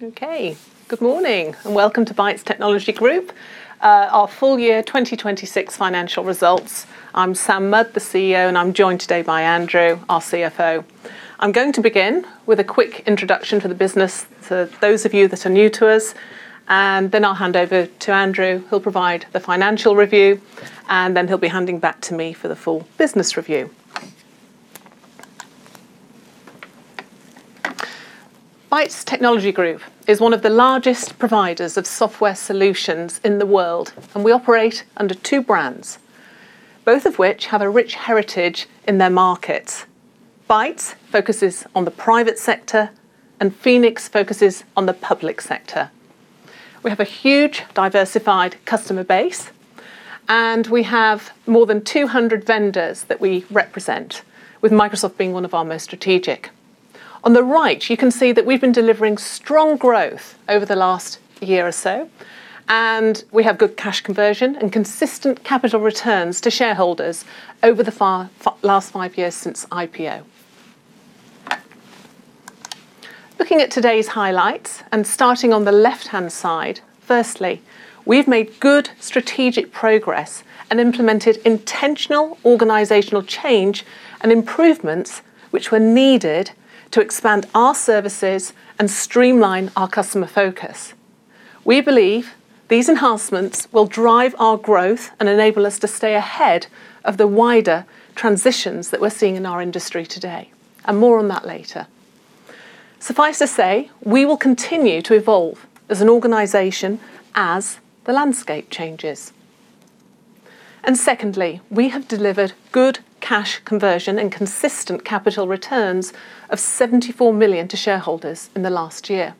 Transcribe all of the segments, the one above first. Okay. Good morning, and welcome to Bytes Technology Group, our full year 2026 financial results. I'm Sam Mudd, the CEO, and I'm joined today by Andrew, our CFO. I'm going to begin with a quick introduction to the business for those of you that are new to us, and then I'll hand over to Andrew who'll provide the financial review, and then he'll be handing back to me for the full business review. Bytes Technology Group is one of the largest providers of software solutions in the world, and we operate under two brands, both of which have a rich heritage in their markets. Bytes focuses on the private sector, and Phoenix focuses on the public sector. We have a huge diversified customer base, and we have more than 200 vendors that we represent, with Microsoft being one of our most strategic. On the right, you can see that we've been delivering strong growth over the last year or so, and we have good cash conversion and consistent capital returns to shareholders over the last five years since IPO. Looking at today's highlights and starting on the left-hand side, firstly, we've made good strategic progress and implemented intentional organizational change and improvements which were needed to expand our services and streamline our customer focus. We believe these enhancements will drive our growth and enable us to stay ahead of the wider transitions that we're seeing in our industry today. More on that later. Suffice to say, we will continue to evolve as an organization as the landscape changes. Secondly, we have delivered good cash conversion and consistent capital returns of 74 million to shareholders in the last year.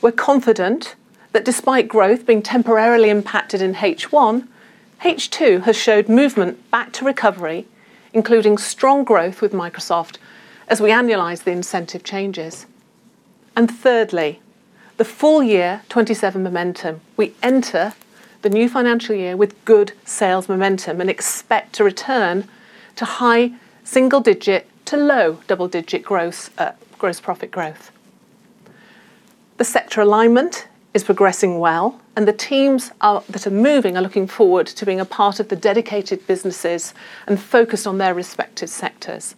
We're confident that despite growth being temporarily impacted in H1, H2 has showed movement back to recovery, including strong growth with Microsoft as we annualize the incentive changes. Thirdly, the full year 2027 momentum. We enter the new financial year with good sales momentum and expect to return to high single-digit to low double-digit gross profit growth. The sector alignment is progressing well, and the teams that are moving are looking forward to being a part of the dedicated businesses and focused on their respective sectors.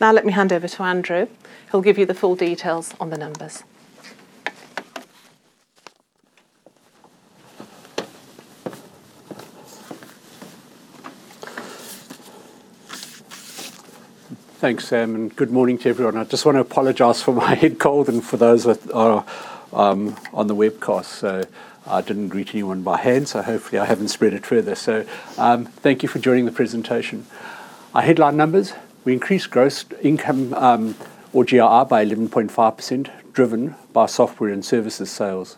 Now let me hand over to Andrew, who'll give you the full details on the numbers. Thanks, Sam. Good morning to everyone. I just want to apologize for my head cold and for those that are on the webcast. I didn't greet anyone by hand, so hopefully I haven't spread it further. Thank you for joining the presentation. Our headline numbers, we increased gross income or GII by 11.5%, driven by software and services sales.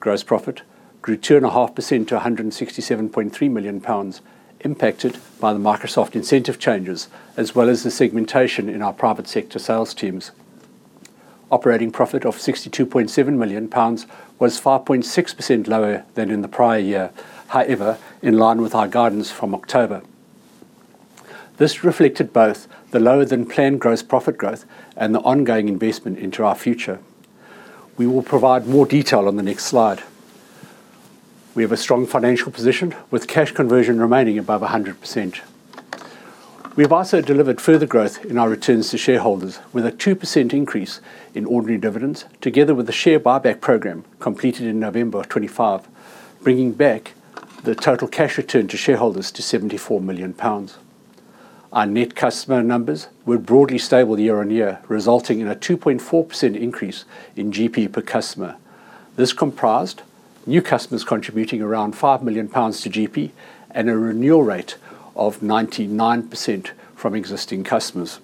Gross profit grew 2.5% to 167.3 million pounds, impacted by the Microsoft incentive changes as well as the segmentation in our private sector sales teams. Operating profit of 62.7 million pounds was 4.6% lower than in the prior year. However, in line with our guidance from October. This reflected both the lower-than-planned gross profit growth and the ongoing investment into our future. We will provide more detail on the next slide. We have a strong financial position with cash conversion remaining above 100%. We've also delivered further growth in our returns to shareholders with a 2% increase in ordinary dividends together with a share buyback program completed in November of 2025, bringing back the total cash return to shareholders to 74 million pounds. Our net customer numbers were broadly stable year-on-year, resulting in a 2.4% increase in GP per customer. This comprised new customers contributing around 5 million pounds to GP and a renewal rate of 99% from existing customers.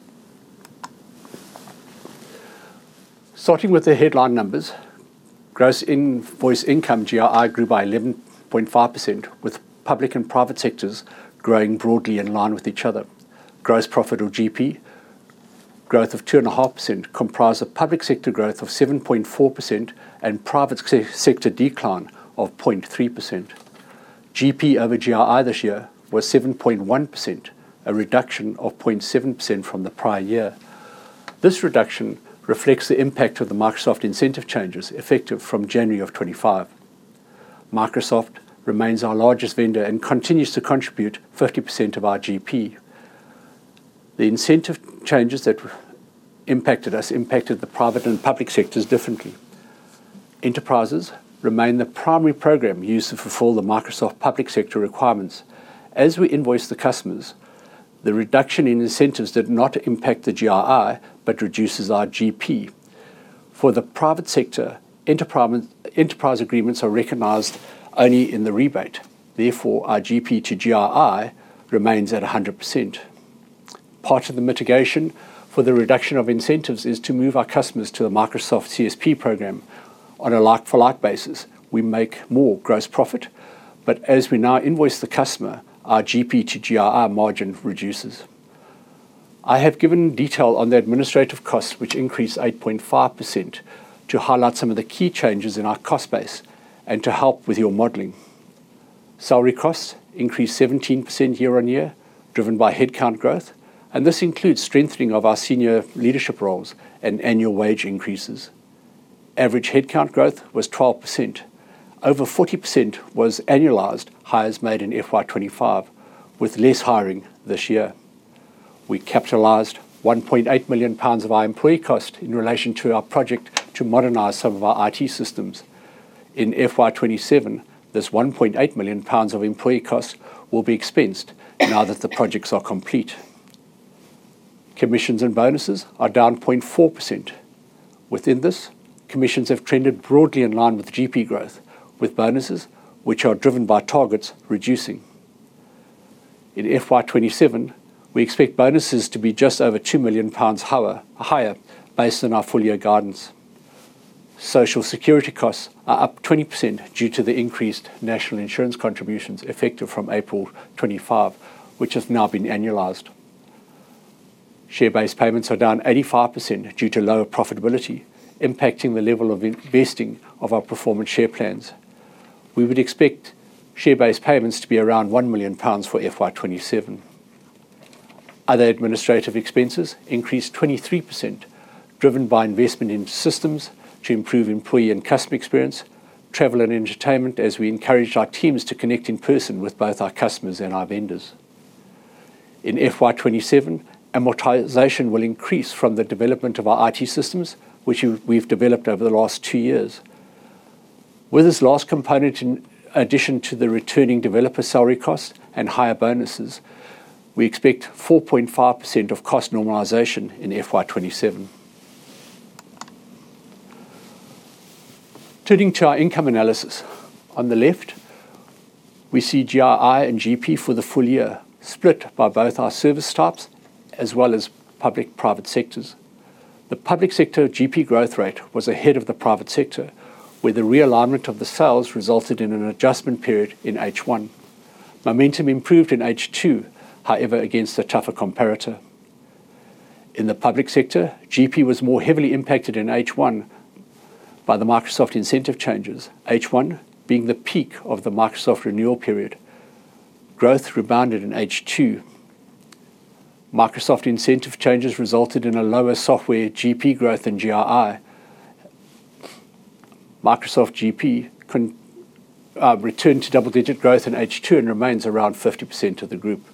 Starting with the headline numbers. Gross invoice income, GII, grew by 11.5%, with public and private sectors growing broadly in line with each other. Gross profit or GP growth of 2.5% comprised of public sector growth of 7.4% and private sector decline of 0.3%. GP over GII this year was 7.1%, a reduction of 0.7% from the prior year. This reduction reflects the impact of the Microsoft incentive changes effective from January of 2025. Microsoft remains our largest vendor and continues to contribute 50% of our GP. The incentive changes that impacted us impacted the private and public sectors differently. Enterprises remain the primary program used to fulfill the Microsoft public sector requirements. As we invoice the customers, the reduction in incentives did not impact the GII, but reduces our GP. For the private sector, enterprise agreements are recognized only in the rebate. Therefore, our GP to GII remains at 100%. Part of the mitigation for the reduction of incentives is to move our customers to a Microsoft CSP program. On a like-for-like basis, we make more gross profit, but as we now invoice the customer, our GP to GII margin reduces. I have given detail on the administrative costs, which increased 8.5%, to highlight some of the key changes in our cost base and to help with your modeling. Salary costs increased 17% year-on-year, driven by headcount growth, and this includes strengthening of our senior leadership roles and annual wage increases. Average headcount growth was 12%. Over 40% was annualized hires made in FY 2025, with less hiring this year. We capitalized 1.8 million pounds of our employee cost in relation to our project to modernize some of our IT systems. In FY 2027, this 1.8 million pounds of employee cost will be expensed now that the projects are complete. Commissions and bonuses are down 0.4%. Within this, commissions have trended broadly in line with GP growth, with bonuses which are driven by targets reducing. In FY 2027, we expect bonuses to be just over 2 million pounds higher based on our full year guidance. Social security costs are up 20% due to the increased national insurance contributions effective from April 2025, which has now been annualized. Share-based payments are down 85% due to lower profitability, impacting the level of vesting of our performance share plans. We would expect share-based payments to be around 1 million pounds for FY 2027. Other administrative expenses increased 23%, driven by investment in systems to improve employee and customer experience, travel and entertainment as we encouraged our teams to connect in person with both our customers and our vendors. In FY 2027, amortization will increase from the development of our IT systems, which we've developed over the last two years. With this last component, in addition to the returning developer salary costs and higher bonuses, we expect 4.5% of cost normalization in FY 2027. Turning to our income analysis. On the left, we see GII and GP for the full year split by both our service types as well as public-private sectors. The public sector GP growth rate was ahead of the private sector, where the realignment of the sales resulted in an adjustment period in H1. Momentum improved in H2, however, against the tougher comparator. In the public sector, GP was more heavily impacted in H1 by the Microsoft incentive changes, H1 being the peak of the Microsoft renewal period. Growth rebounded in H2. Microsoft incentive changes resulted in a lower software GP growth in GII. Microsoft GP returned to double-digit growth in H2 and remains around 50% of the group.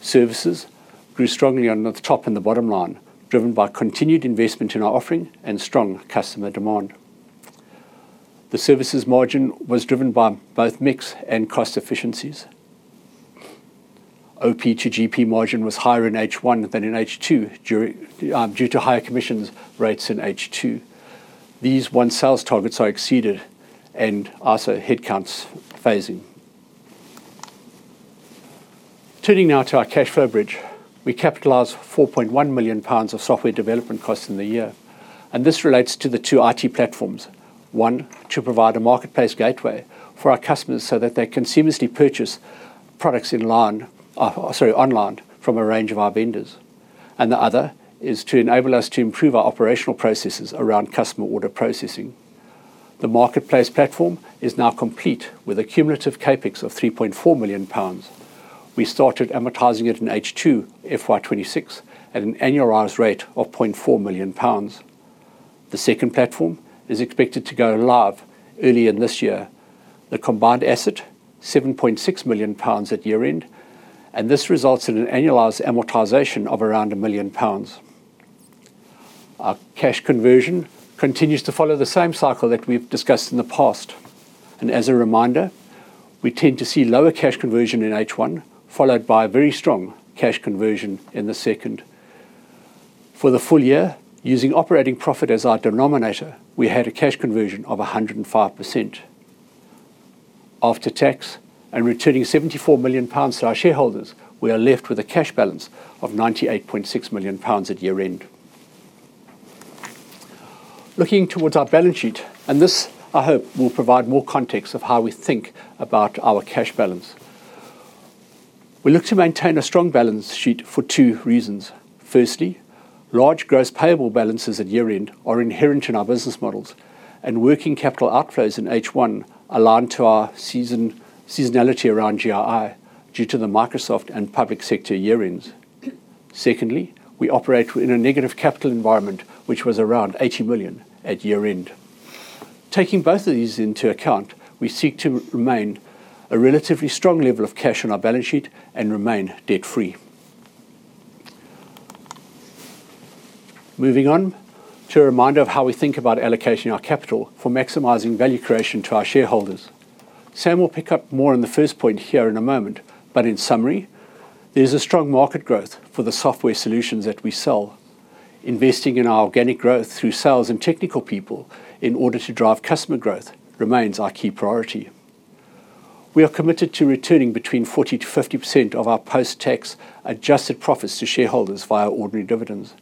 Services grew strongly on the top and the bottom line, driven by continued investment in our offering and strong customer demand. The services margin was driven by both mix and cost efficiencies. OP to GP margin was higher in H1 than in H2 during due to higher commissions rates in H2. These one sales targets are exceeded and also headcounts phasing. Turning now to our cash flow bridge. We capitalized 4.1 million pounds of software development costs in the year, and this relates to the two IT platforms. One, to provide a marketplace gateway for our customers so that they can seamlessly purchase products online from a range of our vendors. The other is to enable us to improve our operational processes around customer order processing. The marketplace platform is now complete with a cumulative CapEx of 3.4 million pounds. We started amortizing it in H2, FY 2026 at an annualized rate of 0.4 million pounds. The second platform is expected to go live earlier this year. The combined asset, 7.6 million pounds at year-end, and this results in an annualized amortization of around 1 million pounds. Our cash conversion continues to follow the same cycle that we've discussed in the past. As a reminder, we tend to see lower cash conversion in H1, followed by a very strong cash conversion in the second. For the full year, using operating profit as our denominator, we had a cash conversion of 105%. After tax and returning 74 million pounds to our shareholders, we are left with a cash balance of 98.6 million pounds at year-end. Looking towards our balance sheet, this I hope will provide more context of how we think about our cash balance. We look to maintain a strong balance sheet for 2 reasons. Firstly, large gross payable balances at year-end are inherent in our business models, and working capital outflows in H1 align to our seasonality around GII due to the Microsoft and public sector year-ends. Secondly, we operate in a negative capital environment, which was around 80 million at year-end. Taking both of these into account, we seek to remain a relatively strong level of cash on our balance sheet and remain debt-free. Moving on to a reminder of how we think about allocating our capital for maximizing value creation to our shareholders. Sam will pick up more on the first point here in a moment, but in summary, there's a strong market growth for the software solutions that we sell. Investing in our organic growth through sales and technical people in order to drive customer growth remains our key priority. We are committed to returning between 40%-50% of our post-tax adjusted profits to shareholders via ordinary dividends.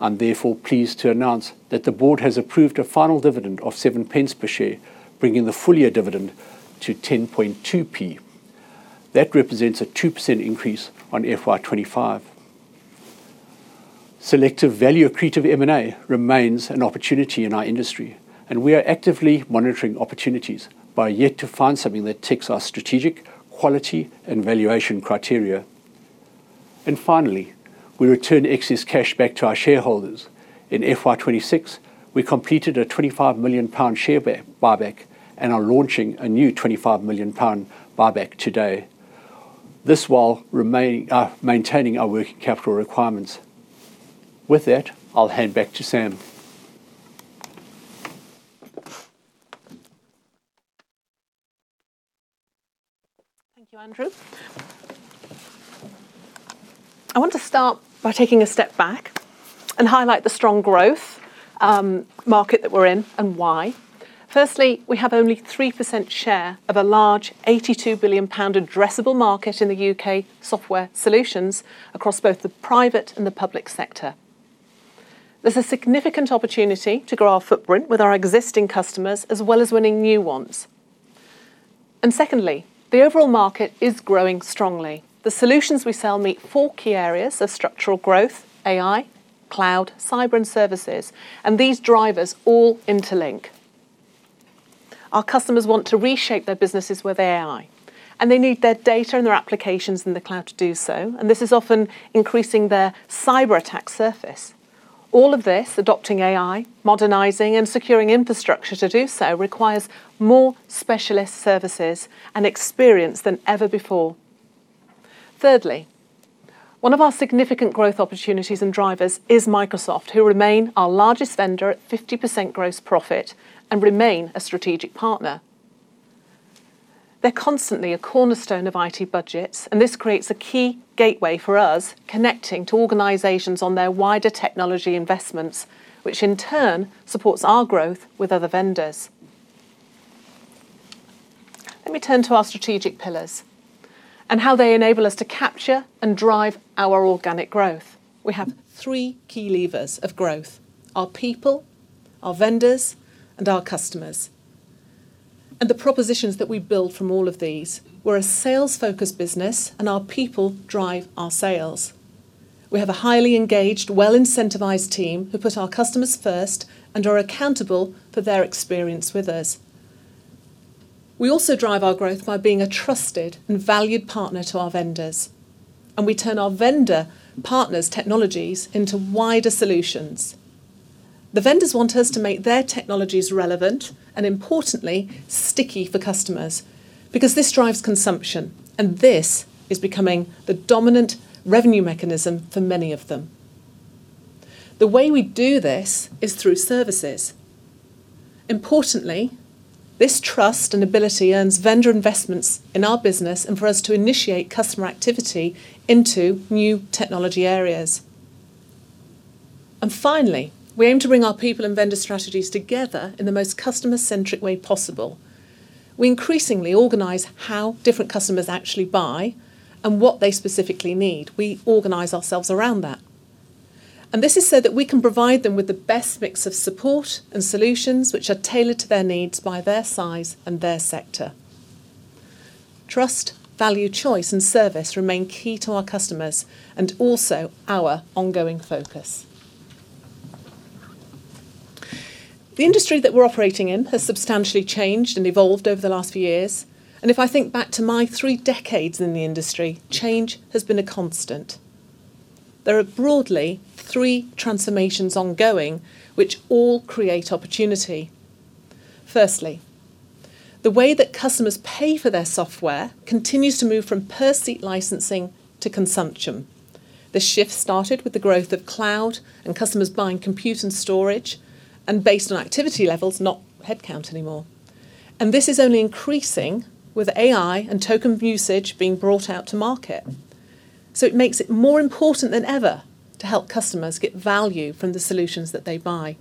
I'm therefore pleased to announce that the board has approved a final dividend of 0.07 per share, bringing the full year dividend to 0.102. That represents a 2% increase on FY 2025. Selective value accretive M&A remains an opportunity in our industry. We are actively monitoring opportunities, but are yet to find something that ticks our strategic quality and valuation criteria. Finally, we return excess cash back to our shareholders. In FY 2026, we completed a 25 million pound share buyback and are launching a new 25 million pound buyback today. This while maintaining our working capital requirements. With that, I'll hand back to Sam. Thank you, Andrew. I want to start by taking a step back and highlight the strong growth market that we're in and why. Firstly, we have only 3% share of a large 82 billion pound addressable market in the U.K. software solutions across both the private and the public sector. There's a significant opportunity to grow our footprint with our existing customers as well as winning new ones. Secondly, the overall market is growing strongly. The solutions we sell meet four key areas of structural growth: AI, cloud, cyber, and services. These drivers all interlink. Our customers want to reshape their businesses with AI, and they need their data and their applications in the cloud to do so, and this is often increasing their cyber attack surface. All of this, adopting AI, modernizing, and securing infrastructure to do so requires more specialist services and experience than ever before. Thirdly, one of our significant growth opportunities and drivers is Microsoft, who remain our largest vendor at 50% gross profit and remain a strategic partner. They're constantly a cornerstone of IT budgets, and this creates a key gateway for us connecting to organizations on their wider technology investments, which in turn supports our growth with other vendors. Let me turn to our strategic pillars and how they enable us to capture and drive our organic growth. We have three key levers of growth: our people, our vendors, and our customers, and the propositions that we build from all of these. We're a sales-focused business, and our people drive our sales. We have a highly engaged, well-incentivized team who put our customers first and are accountable for their experience with us. We also drive our growth by being a trusted and valued partner to our vendors, and we turn our vendor partners' technologies into wider solutions. The vendors want us to make their technologies relevant and importantly sticky for customers because this drives consumption, and this is becoming the dominant revenue mechanism for many of them. The way we do this is through services. Importantly, this trust and ability earns vendor investments in our business and for us to initiate customer activity into new technology areas. Finally, we aim to bring our people and vendor strategies together in the most customer-centric way possible. We increasingly organize how different customers actually buy and what they specifically need. We organize ourselves around that. This is so that we can provide them with the best mix of support and solutions which are tailored to their needs by their size and their sector. Trust, value, choice, and service remain key to our customers and also our ongoing focus. The industry that we're operating in has substantially changed and evolved over the last few years. If I think back to my three decades in the industry, change has been a constant. There are broadly three transformations ongoing which all create opportunity. Firstly, the way that customers pay for their software continues to move from per-seat licensing to consumption. The shift started with the growth of cloud and customers buying compute and storage and based on activity levels, not headcount anymore. This is only increasing with AI and token usage being brought out to market. It makes it more important than ever to help customers get value from the solutions that they buy.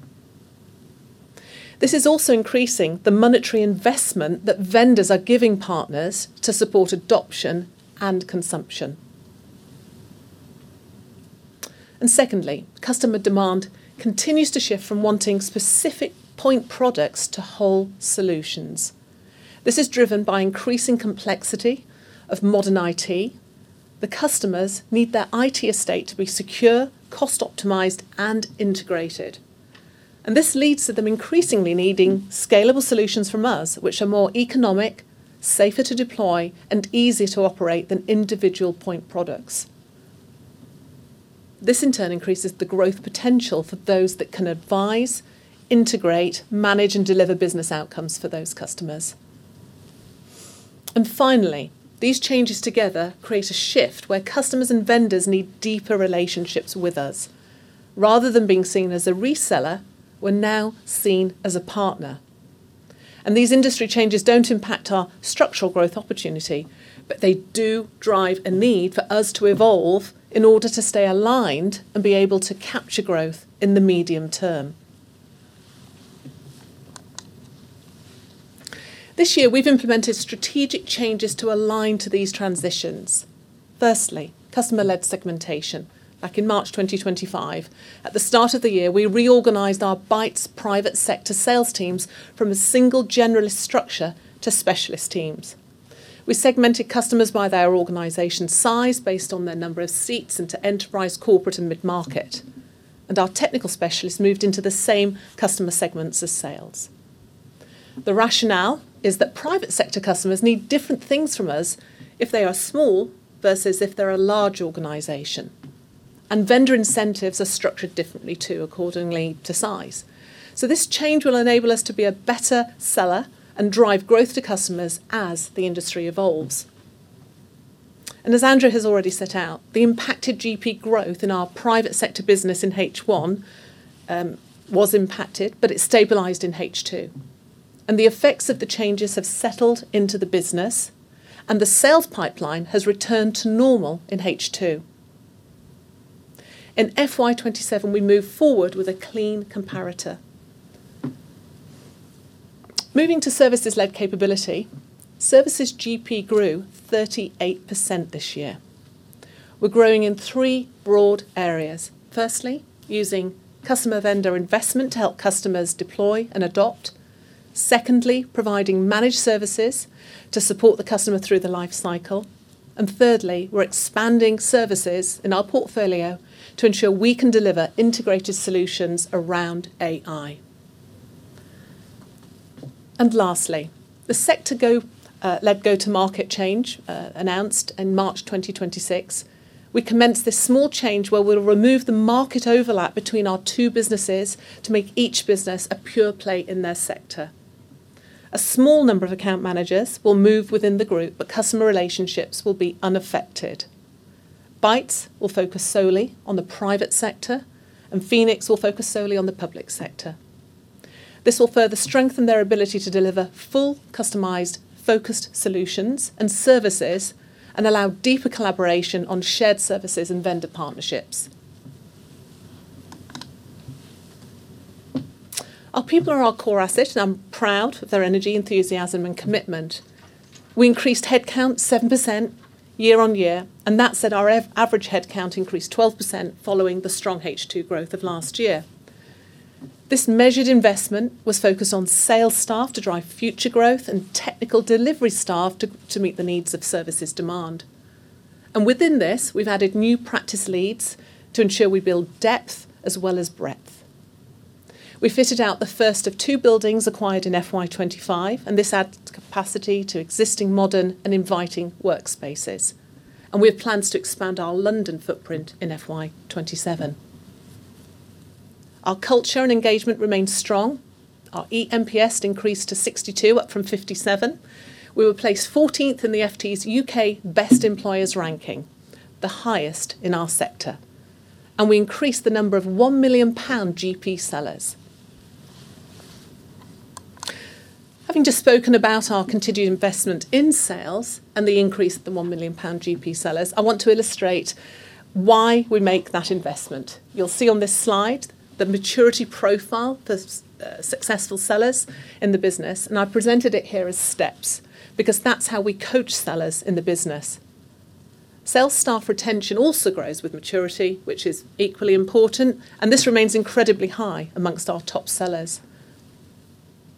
This is also increasing the monetary investment that vendors are giving partners to support adoption and consumption. Secondly, customer demand continues to shift from wanting specific point products to whole solutions. This is driven by increasing complexity of modern IT. The customers need their IT estate to be secure, cost optimized, and integrated. This leads to them increasingly needing scalable solutions from us, which are more economic, safer to deploy, and easier to operate than individual point products. This in turn increases the growth potential for those that can advise, integrate, manage, and deliver business outcomes for those customers. Finally, these changes together create a shift where customers and vendors need deeper relationships with us. Rather than being seen as a reseller, we're now seen as a partner. These industry changes do not impact our structural growth opportunity, but they do drive a need for us to evolve in order to stay aligned and be able to capture growth in the medium term. This year, we have implemented strategic changes to align to these transitions. Firstly, customer-led segmentation. Back in March 2025, at the start of the year, we reorganized our Bytes private sector sales teams from a single generalist structure to specialist teams. We segmented customers by their organization size based on their number of seats into enterprise, corporate, and midmarket. Our technical specialists moved into the same customer segments as sales. The rationale is that private sector customers need different things from us if they are small versus if they are a large organization. Vendor incentives are structured differently too accordingly to size. This change will enable us to be a better seller and drive growth to customers as the industry evolves. As Andrew has already set out, the impacted GP growth in our private sector business in H1 was impacted, but it stabilized in H2, and the effects of the changes have settled into the business, and the sales pipeline has returned to normal in H2. In FY 2027, we move forward with a clean comparator. Moving to services-led capability, services GP grew 38% this year. We're growing in three broad areas. Firstly, using customer vendor investment to help customers deploy and adopt. Secondly, providing managed services to support the customer through the life cycle. Thirdly, we're expanding services in our portfolio to ensure we can deliver integrated solutions around AI. Lastly, the sector led go-to-market change announced in March 2026. We commenced this small change where we'll remove the market overlap between our two businesses to make each business a pure play in their sector. A small number of account managers will move within the group, but customer relationships will be unaffected. Bytes will focus solely on the private sector, and Phoenix will focus solely on the public sector. This will further strengthen their ability to deliver full customized, focused solutions and services and allow deeper collaboration on shared services and vendor partnerships. Our people are our core asset, and I'm proud of their energy, enthusiasm, and commitment. We increased headcount 7% year-on-year, and that set our average headcount increased 12% following the strong H2 growth of last year. This measured investment was focused on sales staff to drive future growth and technical delivery staff to meet the needs of services demand. Within this, we've added new practice leads to ensure we build depth as well as breadth. We fitted out the first of two buildings acquired in FY 2025. This adds capacity to existing modern and inviting workspaces. We have plans to expand our London footprint in FY 2027. Our culture and engagement remains strong. Our eNPS increased to 62, up from 57. We were placed 14th in the FT's U.K. Best Employers ranking, the highest in our sector. We increased the number of 1 million pound GP sellers. Having just spoken about our continued investment in sales and the increase of the 1 million pound GP sellers, I want to illustrate why we make that investment. You'll see on this slide the maturity profile for successful sellers in the business. I presented it here as steps because that's how we coach sellers in the business. Sales staff retention also grows with maturity, which is equally important. This remains incredibly high amongst our top sellers.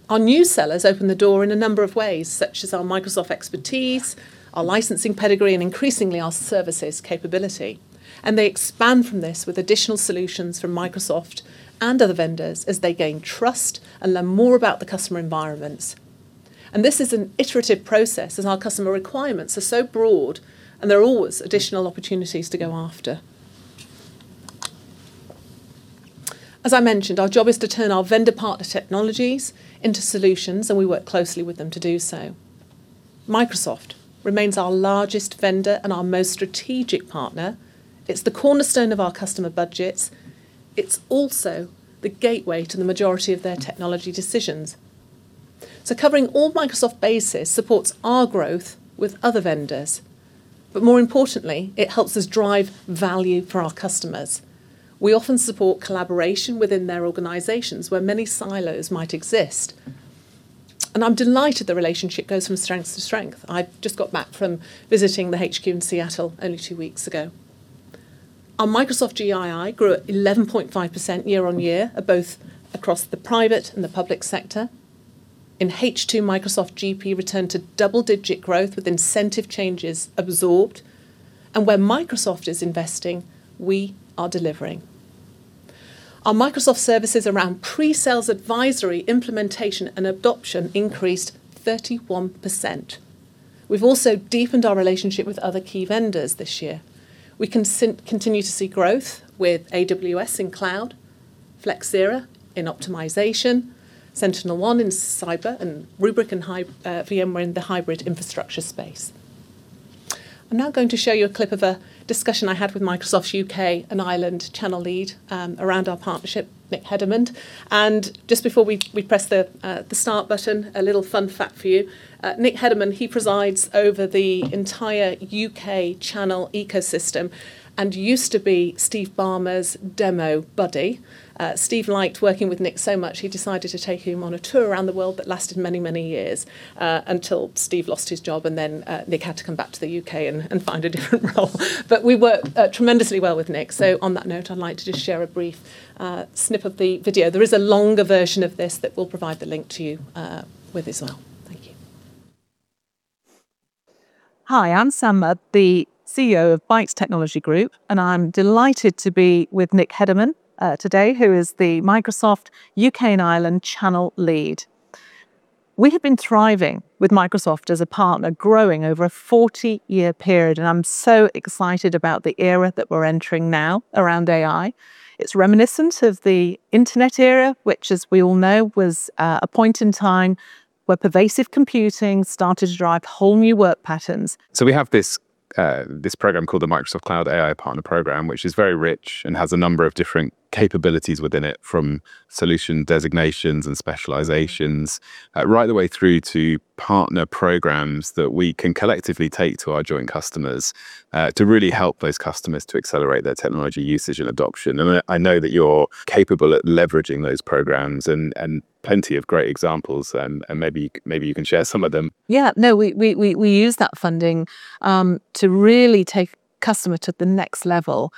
Our new sellers open the door in a number of ways, such as our Microsoft expertise, our licensing pedigree, and increasingly our services capability. They expand from this with additional solutions from Microsoft and other vendors as they gain trust and learn more about the customer environments. This is an iterative process as our customer requirements are so broad, and there are always additional opportunities to go after. As I mentioned, our job is to turn our vendor partner technologies into solutions, and we work closely with them to do so. Microsoft remains our largest vendor and our most strategic partner. It's the cornerstone of our customer budgets. It's also the gateway to the majority of their technology decisions. Covering all Microsoft bases supports our growth with other vendors, but more importantly, it helps us drive value for our customers. We often support collaboration within their organizations where many silos might exist. I'm delighted the relationship goes from strength to strength. I just got back from visiting the HQ in Seattle only two weeks ago. Our Microsoft GII grew at 11.5% year-on-year at both across the private and the public sector. In H2, Microsoft GP returned to double-digit growth with incentive changes absorbed. Where Microsoft is investing, we are delivering. Our Microsoft services around pre-sales advisory, implementation, and adoption increased 31%. We've also deepened our relationship with other key vendors this year. We continue to see growth with AWS in cloud, Flexera in optimization, SentinelOne in cyber, and Rubrik and VMware in the hybrid infrastructure space. I'm now going to show you a clip of a discussion I had with Microsoft's U.K. and Ireland channel lead, around our partnership, Nick Hedderman. Just before we press the start button, a little fun fact for you. Nick Hedderman, he presides over the entire U.K. channel ecosystem and used to be Steve Ballmer's demo buddy. Steve liked working with Nick so much, he decided to take him on a tour around the world that lasted many, many years, until Steve lost his job, and then Nick had to come back to the U.K. and find a different role. We work tremendously well with Nick. On that note, I'd like to just share a brief snip of the video. There is a longer version of this that we'll provide the link to you with as well. Thank you. I'm Sam Mudd, the CEO of Bytes Technology Group, and I'm delighted to be with Nick Hedderman today, who is the Microsoft U.K. and Ireland channel lead. We have been thriving with Microsoft as a partner, growing over a 40-year period, and I'm so excited about the era that we're entering now around AI. It's reminiscent of the internet era, which, as we all know, was a point in time where pervasive computing started to drive whole new work patterns. We have this program called the Microsoft AI Cloud Partner Program, which is very rich and has a number of different capabilities within it, from solution designations and specializations, right the way through to partner programs that we can collectively take to our joint customers, to really help those customers to accelerate their technology usage and adoption. I know that you're capable at leveraging those programs and plenty of great examples, and maybe you can share some of them. Yeah. No. We use that funding to really take customer to the next level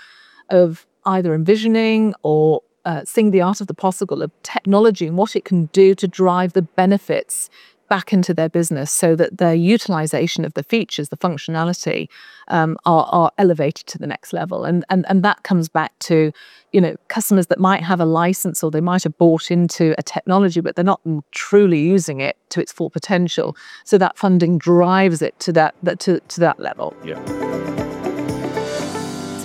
of either envisioning or seeing the art of the possible, of technology and what it can do to drive the benefits back into their business so that their utilization of the features, the functionality, are elevated to the next level. That comes back to, you know, customers that might have a license, or they might have bought into a technology, but they're not truly using it to its full potential. That funding drives it to that level. Yeah.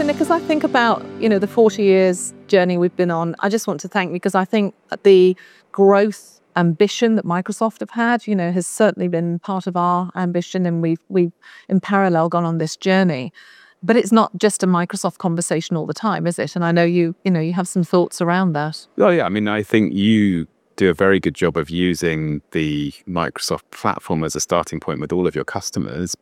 Nick, as I think about, you know, the 40 years journey we've been on, I just want to thank, because I think the growth ambition that Microsoft have had, you know, has certainly been part of our ambition, and we've in parallel gone on this journey. It's not just a Microsoft conversation all the time, is it? I know you know, you have some thoughts around that. Oh, yeah. I mean, I think you do a very good job of using the Microsoft platform as a starting point with all of your customers.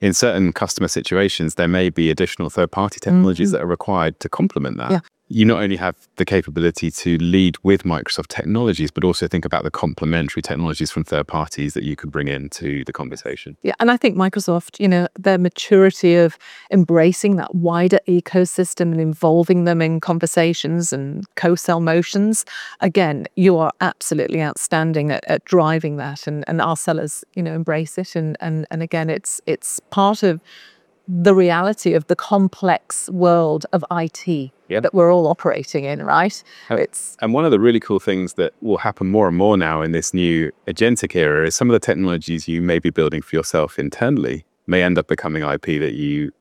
In certain customer situations, there may be additional third-party technologies. That are required to complement that. Yeah. You not only have the capability to lead with Microsoft technologies, but also think about the complementary technologies from third parties that you could bring into the conversation. Yeah, I think Microsoft, you know, their maturity of embracing that wider ecosystem and involving them in conversations and co-sell motions, again, you are absolutely outstanding at driving that. Our sellers, you know, embrace it, and again, it's part of the reality of the complex world of IT that we're all operating in, right? One of the really cool things that will happen more and more now in this new agentic era is some of the technologies you may be building for yourself internally may end up becoming IP that you.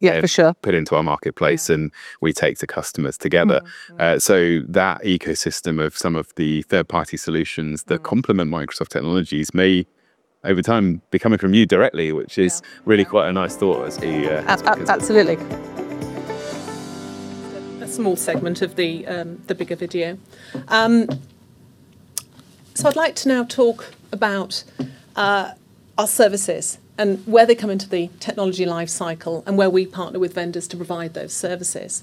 Yeah, for sure. Have put into our marketplace, and we take to customers together. That ecosystem of some of the third-party solutions that complement Microsoft technologies may, over time, be coming from you directly, which is really quite a nice thought as a, as we go forward. Absolutely. A small segment of the bigger video. I'd like to now talk about our services and where they come into the technology life cycle and where we partner with vendors to provide those services.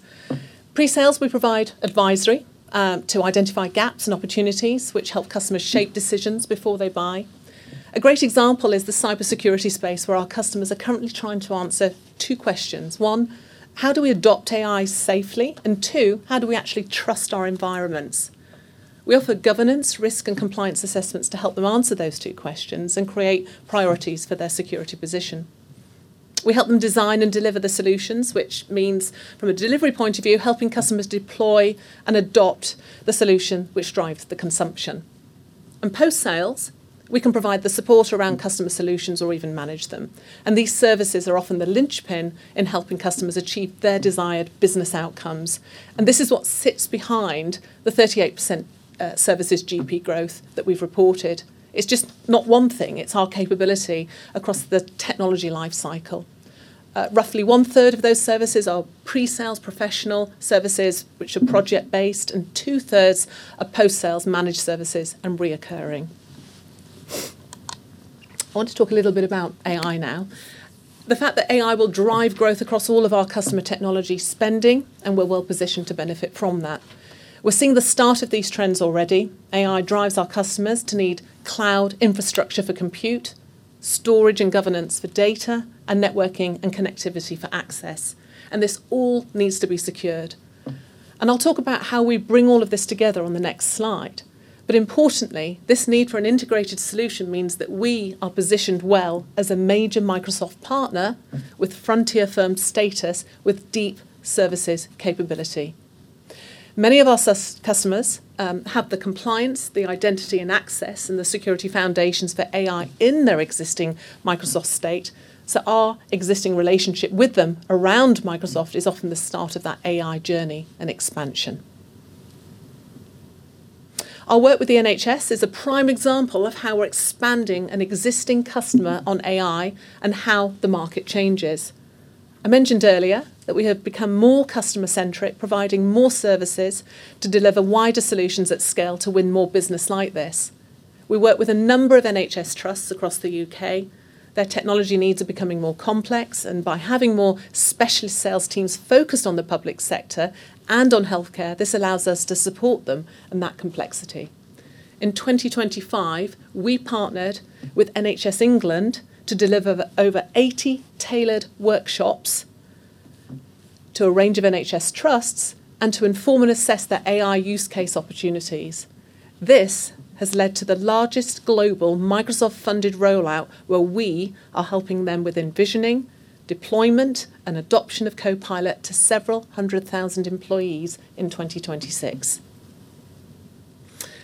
Pre-sales, we provide advisory to identify gaps and opportunities which help customers shape decisions before they buy. A great example is the cybersecurity space, where our customers are currently trying to answer two questions. One, how do we adopt AI safely? Two, how do we actually trust our environments? We offer governance, risk, and compliance assessments to help them answer those two questions and create priorities for their security position. We help them design and deliver the solutions, which means from a delivery point of view, helping customers deploy and adopt the solution which drives the consumption. Post-sales, we can provide the support around customer solutions or even manage them, and these services are often the linchpin in helping customers achieve their desired business outcomes. This is what sits behind the 38% services GP growth that we've reported. It's just not one thing. It's our capability across the technology life cycle. Roughly one-third of those services are pre-sales professional services, which are project based, and two-thirds are post-sales managed services and reoccurring. I want to talk a little bit about AI now. The fact that AI will drive growth across all of our customer technology spending, and we're well positioned to benefit from that. We're seeing the start of these trends already. AI drives our customers to need cloud infrastructure for compute, storage and governance for data, and networking and connectivity for access, and this all needs to be secured. I'll talk about how we bring all of this together on the next slide. Importantly, this need for an integrated solution means that we are positioned well as a major Microsoft partner with Frontier status with deep services capability. Many of our customers have the compliance, the identity and access, and the security foundations for AI in their existing Microsoft state, so our existing relationship with them around Microsoft is often the start of that AI journey and expansion. Our work with the NHS is a prime example of how we're expanding an existing customer on AI and how the market changes. I mentioned earlier that we have become more customer centric, providing more services to deliver wider solutions at scale to win more business like this. We work with a number of NHS trusts across the U.K. Their technology needs are becoming more complex. By having more specialist sales teams focused on the public sector and on healthcare, this allows us to support them in that complexity. In 2025, we partnered with NHS England to deliver over 80 tailored workshops to a range of NHS trusts and to inform and assess their AI use case opportunities. This has led to the largest global Microsoft-funded rollout, where we are helping them with envisioning, deployment, and adoption of Copilot to several hundred thousand employees in 2026.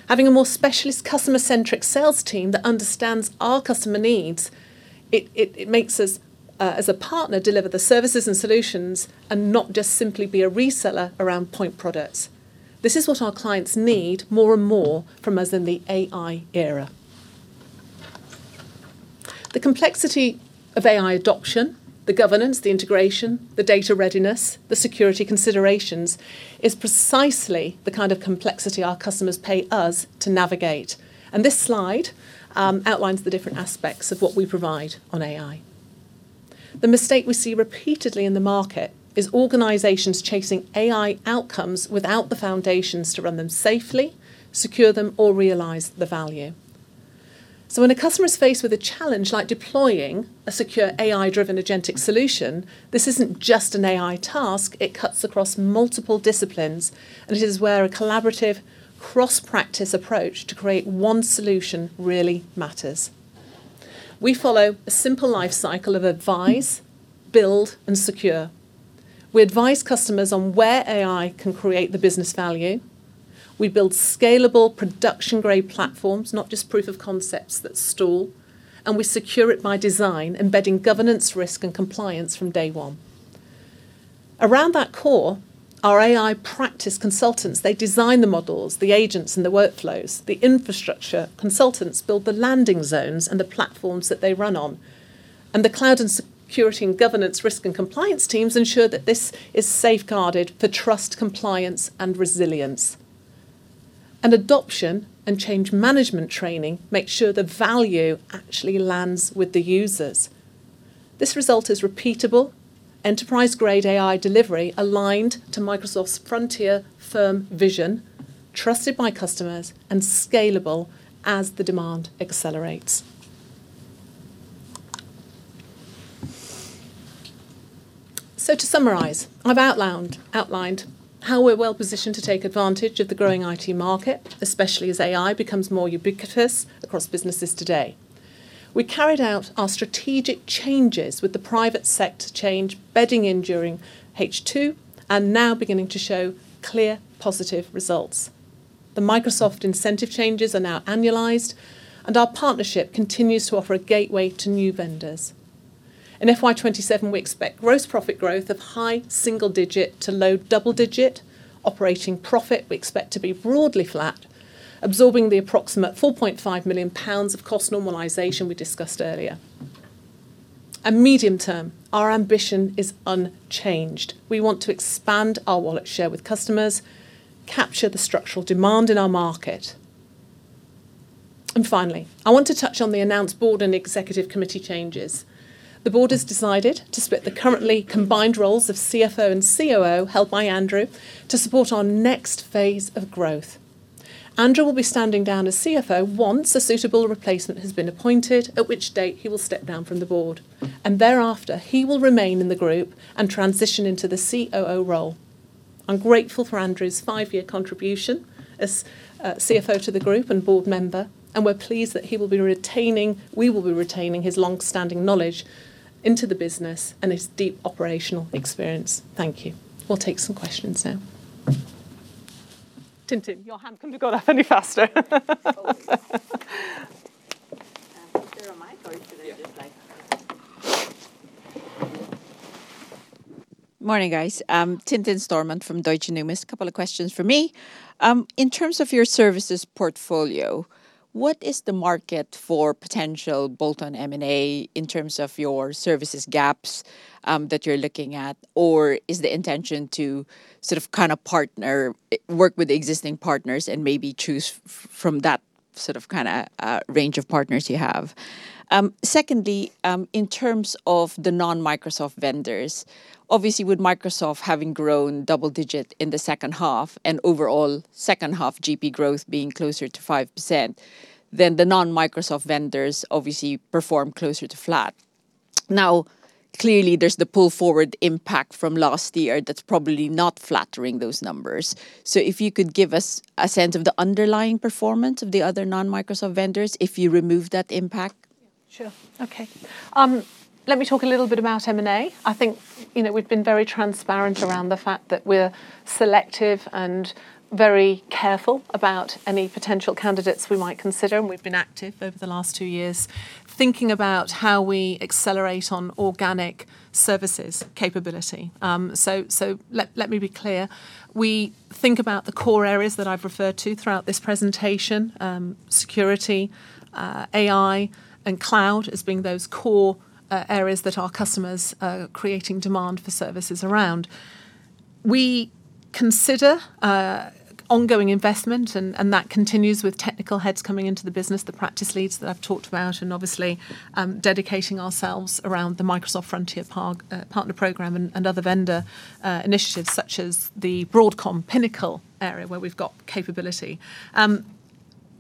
Having a more specialist customer-centric sales team that understands our customer needs, it makes us as a partner, deliver the services and solutions and not just simply be a reseller around point products. This is what our clients need more and more from us in the AI era. The complexity of AI adoption, the governance, the integration, the data readiness, the security considerations, is precisely the kind of complexity our customers pay us to navigate. This slide outlines the different aspects of what we provide on AI. The mistake we see repeatedly in the market is organizations chasing AI outcomes without the foundations to run them safely, secure them, or realize the value. When a customer is faced with a challenge like deploying a secure AI-driven agentic solution, this isn't just an AI task, it cuts across multiple disciplines, and it is where a collaborative cross-practice approach to create one solution really matters. We follow a simple life cycle of advise, build, and secure. We advise customers on where AI can create the business value. We build scalable production-grade platforms, not just proof of concepts that stall, and we secure it by design, embedding governance, risk, and compliance from day one. Around that core, our AI practice consultants, they design the models, the agents, and the workflows. The infrastructure consultants build the landing zones and the platforms that they run on. The cloud and security and governance risk and compliance teams ensure that this is safeguarded for trust, compliance, and resilience. Adoption and change management training makes sure the value actually lands with the users. This result is repeatable, enterprise-grade AI delivery aligned to Microsoft's Frontier firm vision, trusted by customers, and scalable as the demand accelerates. To summarize, I've outlined how we're well-positioned to take advantage of the growing IT market, especially as AI becomes more ubiquitous across businesses today. We carried out our strategic changes with the private sector change bedding in during H2 and now beginning to show clear positive results. The Microsoft incentive changes are now annualized, and our partnership continues to offer a gateway to new vendors. In FY 2027, we expect gross profit growth of high single digit to low double digit. Operating profit we expect to be broadly flat, absorbing the approximate 4.5 million pounds of cost normalization we discussed earlier. Medium term, our ambition is unchanged. We want to expand our wallet share with customers, capture the structural demand in our market. Finally, I want to touch on the announced board and executive committee changes. The board has decided to split the currently combined roles of CFO and COO, held by Andrew, to support our next phase of growth. Andrew will be standing down as CFO once a suitable replacement has been appointed, at which date he will step down from the board. Thereafter, he will remain in the group and transition into the COO role. I'm grateful for Andrew's five-year contribution as CFO to the group and board member, and we're pleased that we will be retaining his long-standing knowledge into the business and his deep operational experience. Thank you. We'll take some questions now. Tintin, your hand couldn't have gone up any faster. Morning, guys. I'm Tintin Stormont from Deutsche Numis. Couple of questions from me. In terms of your services portfolio, what is the market for potential bolt-on M&A in terms of your services gaps that you're looking at? Is the intention to sort of, kinda partner, work with existing partners and maybe choose from that sort of, kinda range of partners you have? Secondly, in terms of the non-Microsoft vendors, obviously with Microsoft having grown double-digit in the second half and overall second half GP growth being closer to 5%, the non-Microsoft vendors obviously perform closer to flat. Clearly, there's the pull-forward impact from last year that's probably not flattering those numbers. If you could give us a sense of the underlying performance of the other non-Microsoft vendors if you remove that impact. Sure. Okay. Let me talk a little bit about M&A. I think, you know, we've been very transparent around the fact that we're selective and very careful about any potential candidates we might consider, and we've been active over the last years thinking about how we accelerate on organic services capability. So let me be clear. We think about the core areas that I've referred to throughout this presentation, security, AI, and cloud as being those core areas that our customers are creating demand for services around. We consider ongoing investment and that continues with technical heads coming into the business, the practice leads that I've talked about, and obviously, dedicating ourselves around the Microsoft Frontier Partner Program and other vendor initiatives such as the Broadcom Pinnacle area where we've got capability.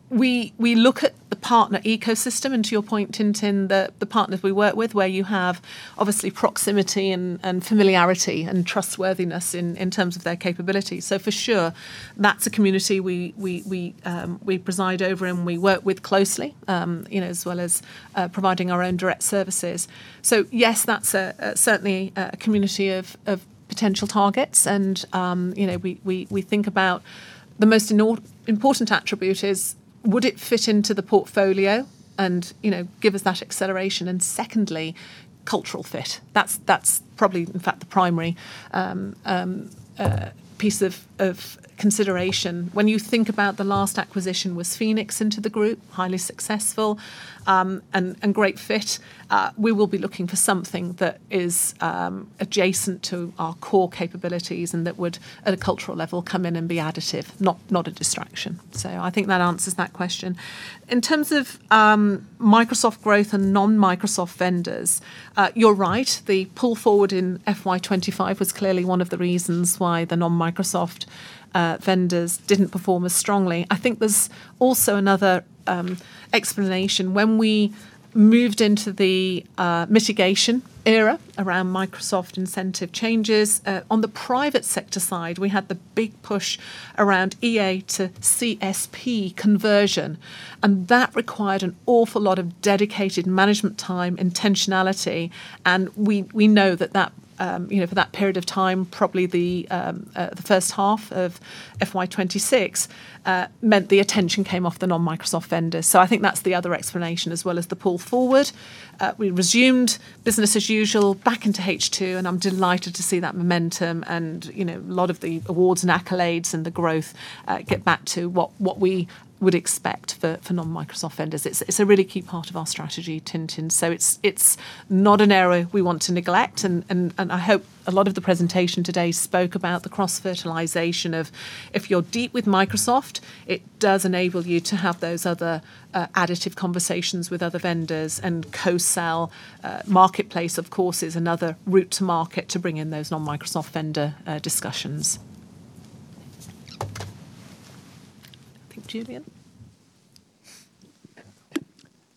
We look at the partner ecosystem, and to your point, Tintin, the partners we work with, where you have obviously proximity and familiarity and trustworthiness in terms of their capability. For sure, that's a community we preside over and we work with closely, you know, as well as providing our own direct services. Yes, that's a certainly a community of potential targets and, you know, we think about the most important attribute is would it fit into the portfolio and, you know, give us that acceleration and secondly, cultural fit. That's probably in fact the primary piece of consideration. When you think about the last acquisition was Phoenix into the group, highly successful, and great fit. We will be looking for something that is adjacent to our core capabilities and that would, at a cultural level, come in and be additive, not a distraction. I think that answers that question. In terms of Microsoft growth and non-Microsoft vendors, you're right. The pull forward in FY 2025 was clearly one of the reasons why the non-Microsoft vendors didn't perform as strongly. I think there's also another explanation. When we moved into the mitigation era around Microsoft incentive changes, on the private sector side, we had the big push around EA to CSP conversion, and that required an awful lot of dedicated management time intentionality. We know that that, you know, for that period of time, probably the first half of FY 2026 meant the attention came off the non-Microsoft vendors. I think that's the other explanation as well as the pull forward. We resumed business as usual back into H2, and I'm delighted to see that momentum and, you know, a lot of the awards and accolades and the growth get back to what we would expect for non-Microsoft vendors. It's a really key part of our strategy, Tintin. It's not an area we want to neglect and I hope a lot of the presentation today spoke about the cross-fertilization of if you're deep with Microsoft, it does enable you to have those other additive conversations with other vendors and co-sell. Marketplace, of course, is another route to market to bring in those non-Microsoft vendor discussions. I think Julian.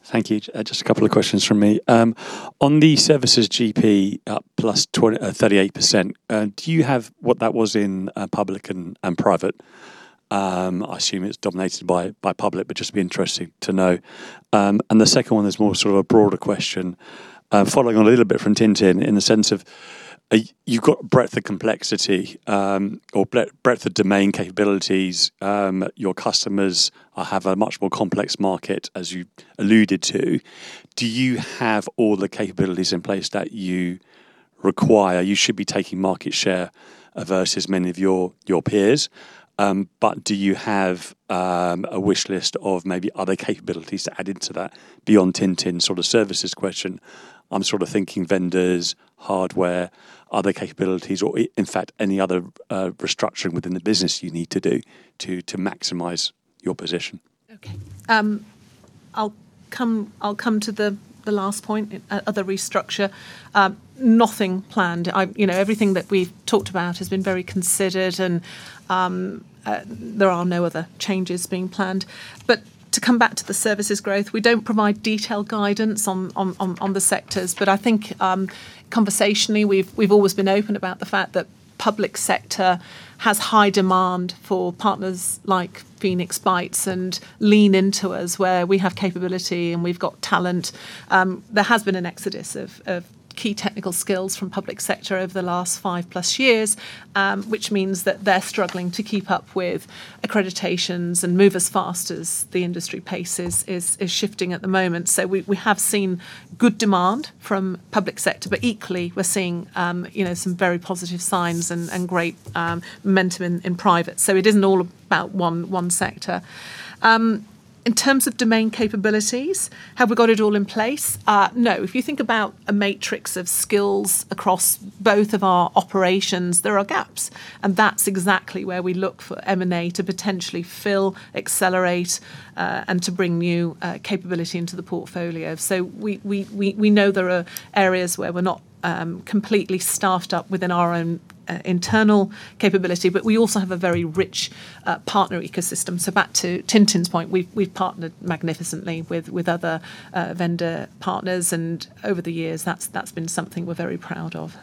Thank you. Just a couple of questions from me. On the services GP, up 38%, do you have what that was in public and private? I assume it's dominated by public, but just be interesting to know. The second one is more sort of a broader question, following on a little bit from Tintin in the sense of, you've got breadth of complexity, or breadth of domain capabilities, that your customers have a much more complex market, as you alluded to. Do you have all the capabilities in place that you require? You should be taking market share versus many of your peers, do you have a wish list of maybe other capabilities to add into that beyond Tintin sort of services question? I'm sort of thinking vendors, hardware, other capabilities, or in fact, any other restructuring within the business you need to do to maximize your position. Okay. I'll come to the last point, other restructure. You know, everything that we've talked about has been very considered and there are no other changes being planned. To come back to the services growth, we don't provide detailed guidance on the sectors. I think, conversationally, we've always been open about the fact that public sector has high demand for partners like Phoenix, Bytes and lean into us where we have capability and we've got talent. There has been an exodus of key technical skills from public sector over the last five plus years, which means that they're struggling to keep up with accreditations and move as fast as the industry pace is shifting at the moment. We have seen good demand from public sector, equally, we're seeing, you know, some very positive signs and great momentum in private. It isn't all about one sector. In terms of domain capabilities, have we got it all in place? No. If you think about a matrix of skills across both of our operations, there are gaps, and that's exactly where we look for M&A to potentially fill, accelerate, and to bring new capability into the portfolio. We know there are areas where we're not completely staffed up within our own internal capability, but we also have a very rich partner ecosystem. Back to Tintin's point, we've partnered magnificently with other vendor partners, and over the years, that's been something we're very proud of.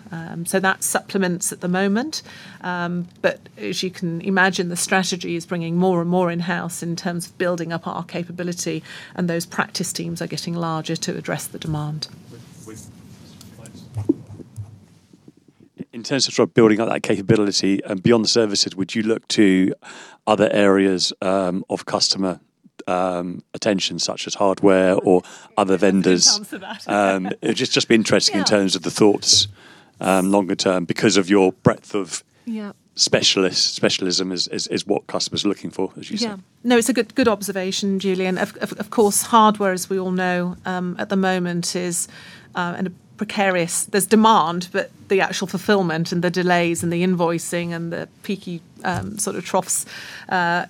That supplements at the moment. As you can imagine, the strategy is bringing more and more in-house in terms of building up our capability, and those practice teams are getting larger to address the demand. In terms of sort of building up that capability and beyond the services, would you look to other areas of customer attention such as hardware or other vendors? When it comes to that. It'd just be interesting in terms of the thoughts, longer term because of your breadth of specialism is what customers are looking for, as you said. No, it's a good observation, Julian. Of course, hardware, as we all know, at the moment is in a precarious There's demand, but the actual fulfillment and the delays and the invoicing and the peaky sort of troughs,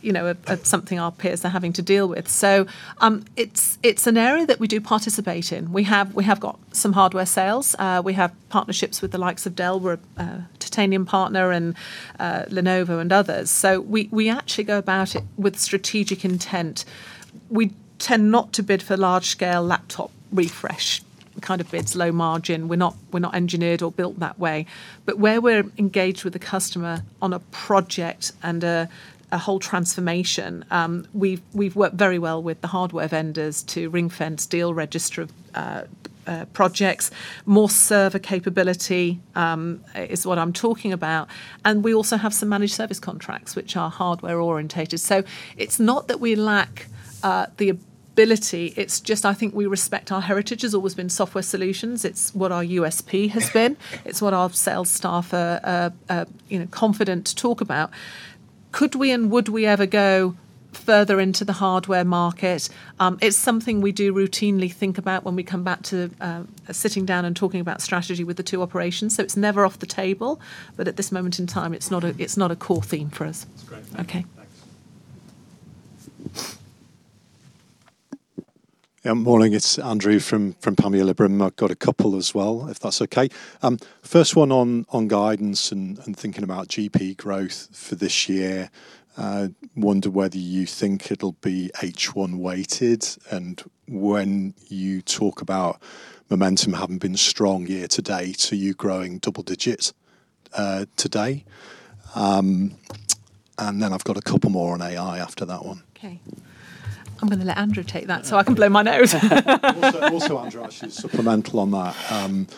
you know, are something our peers are having to deal with. It's an area that we do participate in. We have got some hardware sales. We have partnerships with the likes of Dell. We're a Titanium partner and Lenovo and others. We actually go about it with strategic intent. We tend not to bid for large scale laptop refresh. Kind of, it's low margin. We're not engineered or built that way. Where we're engaged with the customer on a project and a whole transformation, we've worked very well with the hardware vendors to ring-fence deal register of projects. More server capability is what I'm talking about. We also have some managed service contracts which are hardware orientated. It's not that we lack the ability, it's just I think we respect our heritage has always been software solutions. It's what our USP has been. It's what our sales staff are, you know, confident to talk about. Could we and would we ever go further into the hardware market? It's something we do routinely think about when we come back to sitting down and talking about strategy with the two operations, it's never off the table. At this moment in time, it's not a core theme for us. Morning. It's Andrew from Panmure Gordon. I've got a couple as well, if that's okay. First one on guidance and thinking about GP growth for this year. I wonder whether you think it'll be H1 weighted, when you talk about momentum having been strong year to date, are you growing double digits today? Then I've got a couple more on AI after that one. I'm gonna let Andrew take that so I can blow my nose. Also, Andrew, actually supplemental on that.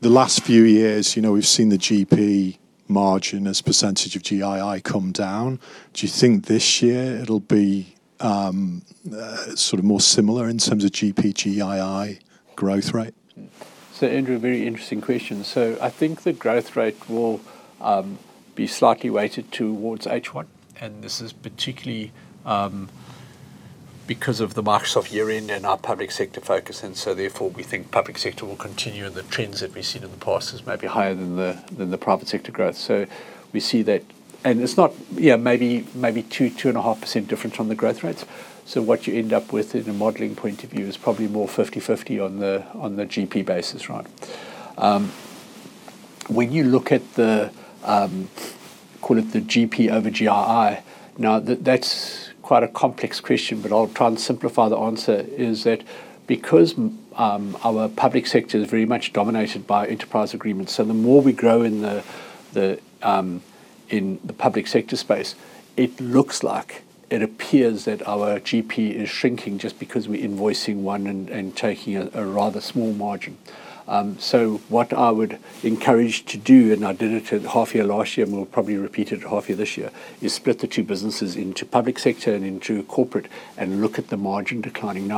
The last few years, you know, we've seen the GP margin as percentage of GII come down. Do you think this year it'll be sort of more similar in terms of GP, GII growth rate? Andrew, a very interesting question. I think the growth rate will be slightly weighted towards H1, and this is particularly because of the Microsoft year-end and our public sector focus, and therefore we think public sector will continue and the trends that we've seen in the past is maybe higher than the private sector growth. We see that it's not maybe 2%-2.5% difference from the growth rates. What you end up with in a modeling point of view is probably more 50/50 on the GP basis. When you look at the call it the GP over GII. That's quite a complex question, but I'll try and simplify the answer, is that because our public sector is very much dominated by enterprise agreements, so the more we grow in the public sector space, it looks like it appears that our GP is shrinking just because we're invoicing one and taking a rather small margin. What I would encourage to do, and I did it at half year last year, and we'll probably repeat it at half year this year, is split the two businesses into public sector and into corporate and look at the margin declining.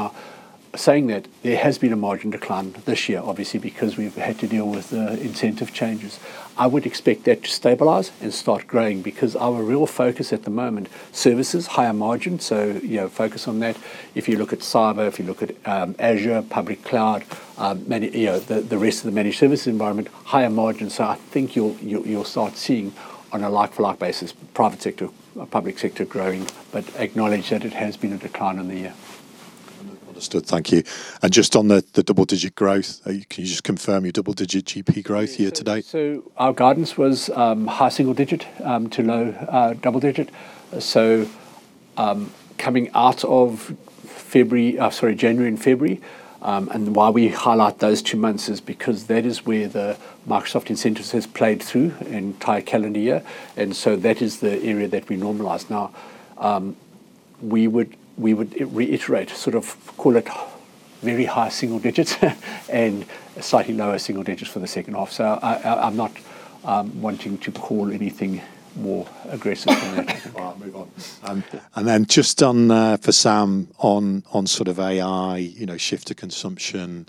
Saying that, there has been a margin decline this year, obviously because we've had to deal with the incentive changes. I would expect that to stabilize and start growing because our real focus at the moment, services, higher margin, so, you know, focus on that. If you look at cyber, if you look at Azure, public cloud, you know, the rest of the managed service environment, higher margin. I think you'll start seeing on a like-for-like basis private sector, public sector growing, but acknowledge that it has been a decline in the year. Understood. Thank you. Just on the double digit growth, can you just confirm your double digit GP growth year-to-date? Our guidance was high single-digit to low double-digit. Coming out of January and February, and why we highlight those two months is because that is where the Microsoft incentives has played through entire calendar year. That is the area that we normalize. Now, we would reiterate, call it very high single-digits and slightly lower single-digits for the second half. I'm not wanting to call anything more aggressive than that. All right. Move on. Just on for Sam, on sort of AI, you know, shift of consumption.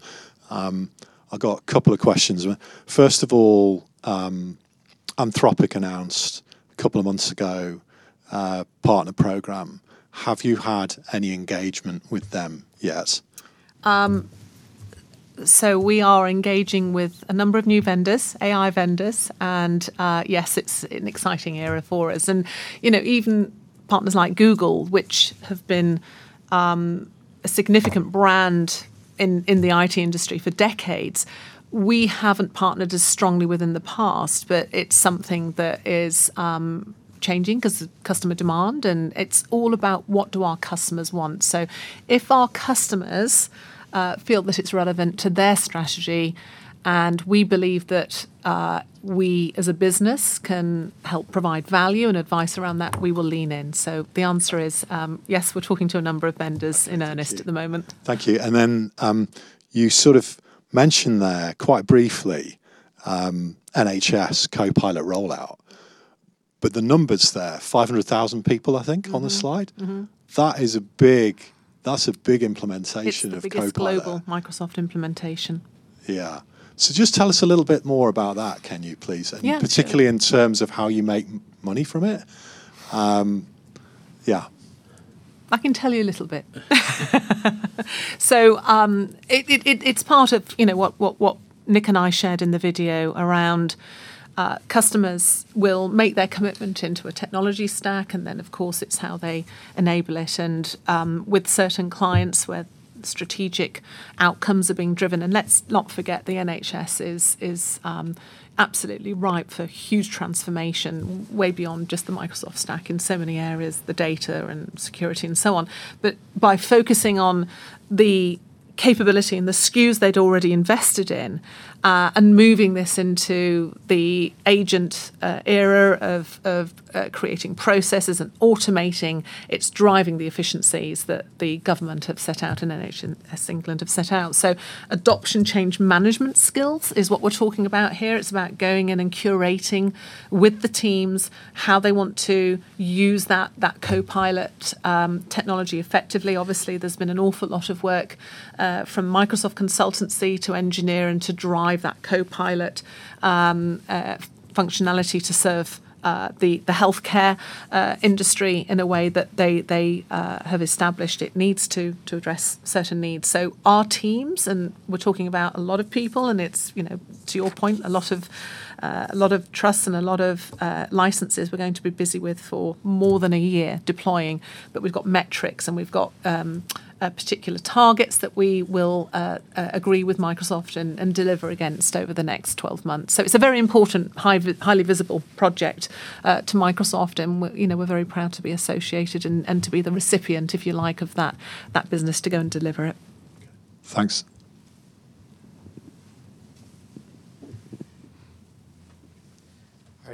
I've got a couple of questions. First of all, Anthropic announced a couple of months ago a partner program. Have you had any engagement with them yet? We are engaging with a number of new vendors, AI vendors. Yes, it's an exciting area for us. You know, even partners like Google, which have been a significant brand in the IT industry for decades, we haven't partnered as strongly with in the past. It's something that is changing 'cause of customer demand, and it's all about what do our customers want. If our customers feel that it's relevant to their strategy and we believe that we as a business can help provide value and advice around that, we will lean in. The answer is, yes, we're talking to a number of vendors in earnest at the moment. Thank you. You sort of mentioned there quite briefly, NHS Copilot rollout, but the numbers there, 500,000 people, I think, on the slide. That's a big implementation of Copilot. It's the biggest global Microsoft implementation. Yeah. Just tell us a little bit more about that, can you please? Particularly in terms of how you make money from it. Yeah. I can tell you a little bit. It's part of, you know, what Nick and I shared in the video around customers will make their commitment into a technology stack, and then of course it's how they enable it and with certain clients where strategic outcomes are being driven. Let's not forget the NHS is absolutely ripe for huge transformation way beyond just the Microsoft stack in so many areas, the data and security and so on. By focusing on the Capability and the SKUs they'd already invested in and moving this into the agent era of creating processes and automating. It's driving the efficiencies that the government have set out and NHS England have set out. Adoption change management skills is what we're talking about here. It's about going in and curating with the teams how they want to use that Copilot technology effectively. Obviously, there's been an awful lot of work from Microsoft consultancy to engineer and to drive that Copilot functionality to serve the healthcare industry in a way that they have established it needs to address certain needs. Our teams, and we're talking about a lot of people, and it's, you know, to your point, a lot of trusts and a lot of licenses we're going to be busy with for more than a year deploying. We've got metrics, and we've got particular targets that we will agree with Microsoft and deliver against over the next 12 months. It's a very important highly visible project to Microsoft, and we're, you know, we're very proud to be associated and to be the recipient, if you like, of that business to go and deliver it. Thanks.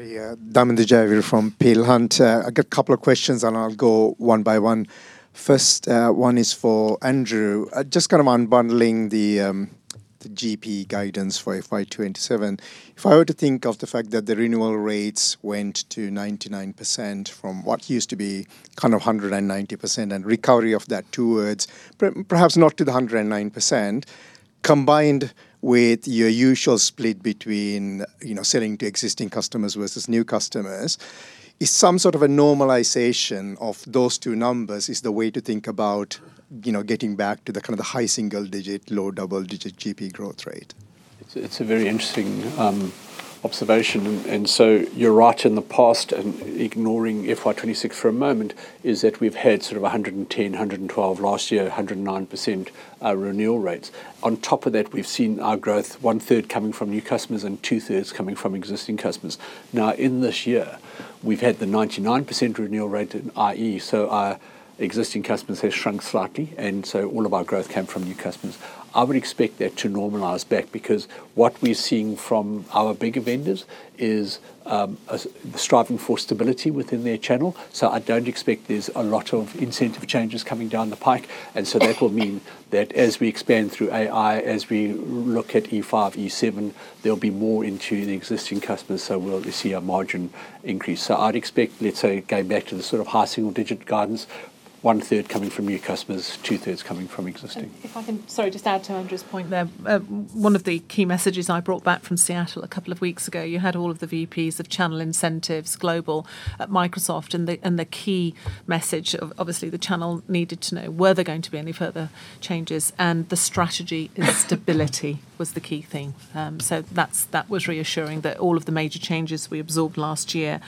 Hi, Damindu Jayaweera from Peel Hunt. I got a couple of questions. I'll go one by one. First, one is for Andrew. Just kind of unbundling the GP guidance for FY 2027. If I were to think of the fact that the renewal rates went to 99% from what used to be kind of 190% and recovery of that towards perhaps not to the 109%, combined with your usual split between, you know, selling to existing customers versus new customers, is some sort of a normalization of those two numbers is the way to think about, you know, getting back to the kind of the high single digit, low double digit GP growth rate? It's a very interesting observation. You're right. In the past, ignoring FY 2026 for a moment, we've had sort of 110, 112 last year, 109% renewal rates. On top of that, we've seen our growth 1/3 coming from new customers and two thirds coming from existing customers. In this year, we've had the 99% renewal rate at i.e., our existing customers have shrunk slightly, all of our growth came from new customers. I would expect that to normalize back because what we're seeing from our bigger vendors is striving for stability within their channel. I don't expect there's a lot of incentive changes coming down the pipe. That will mean that as we expand through AI, as we look at E5, E7, there'll be more into the existing customers, so we'll see our margin increase. I'd expect, let's say, going back to the sort of high single digit guidance, one third coming from new customers, two thirds coming from existing. Sorry. Just to add to Andrew's point there. One of the key messages I brought back from Seattle a couple of weeks ago, you had all of the VPs of channel incentives global at Microsoft, and the key message of, obviously, the channel needed to know were there going to be any further changes, and the strategy and stability was the key thing. That was reassuring that all of the major changes we absorbed last year,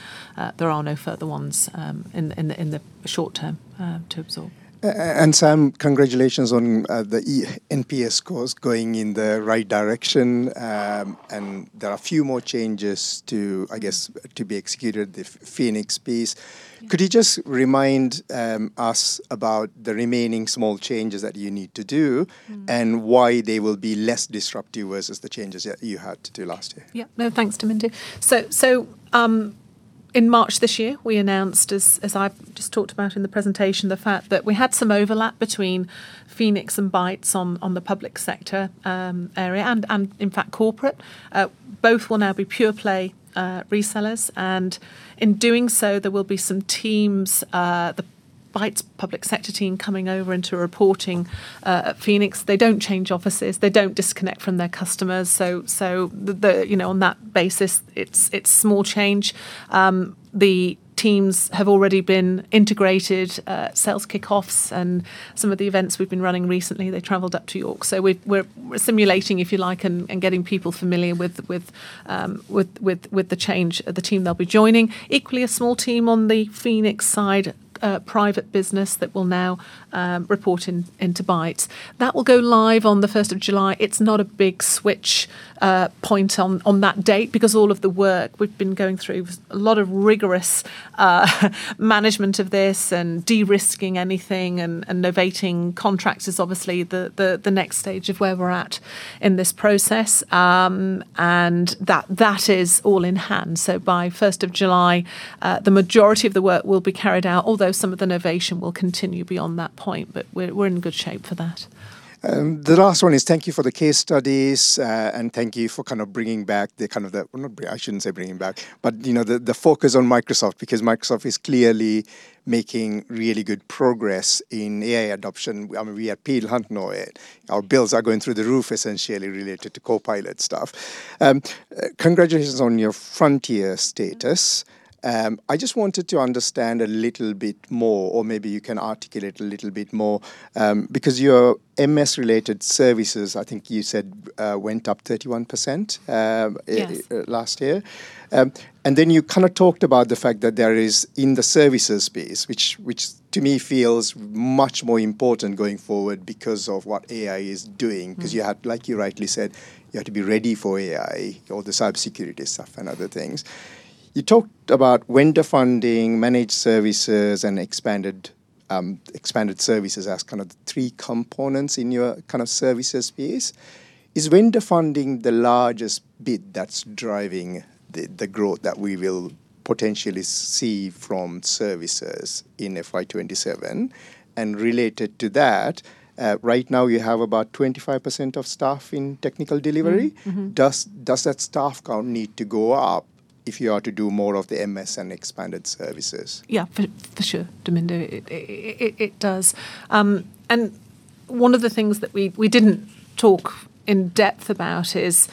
there are no further ones in the short term to absorb. Sam, congratulations on the eNPS scores going in the right direction. There are a few more changes to, I guess, to be executed, the Phoenix piece. Could you just remind us about the remaining small changes that you need to do? Why they will be less disruptive versus the changes that you had to do last year? Yeah. No, thanks, Damindu. In March this year, we announced as I've just talked about in the presentation, the fact that we had some overlap between Phoenix and Bytes on the public sector area and in fact, corporate. Both will now be pure play resellers. In doing so, there will be some teams, the Bytes public sector team coming over into reporting at Phoenix. They don't change offices. They don't disconnect from their customers. You know, on that basis, it's small change. The teams have already been integrated, sales kickoffs and some of the events we've been running recently, they traveled up to York. We're simulating, if you like, getting people familiar with the change of the team they'll be joining. Equally, a small team on the Phoenix side, private business that will now report into Bytes. That will go live on the 1st of July. It's not a big switch point on that date because all of the work we've been going through, a lot of rigorous management of this and de-risking anything and novating contracts is obviously the next stage of where we're at in this process. That is all in hand. By 1st of July, the majority of the work will be carried out, although some of the novation will continue beyond that point, but we're in good shape for that. The last one is thank you for the case studies, and thank you for, you know, the focus on Microsoft because Microsoft is clearly making really good progress in AI adoption. I mean, we at Peel Hunt know it. Our bills are going through the roof essentially related to Copilot stuff. Congratulations on your Frontier status. I just wanted to understand a little bit more, or maybe you can articulate a little bit more, because your MS-related services, I think you said, went up 31% last year. You kind of talked about the fact that there is, in the services space, which to me feels much more important going forward because of what AI is doing. 'Cause you had, like you rightly said, you have to be ready for AI, all the cybersecurity stuff and other things. You talked about vendor funding, managed services, and expanded services as kind of the three components in your kind of services piece. Is vendor funding the largest bit that's driving the growth that we will potentially see from services in FY 2027? Related to that, right now you have about 25% of staff in technical delivery. Does that staff count need to go up if you are to do more of the MS and expanded services? For sure, Damindu. It does. One of the things that we didn't talk in depth about is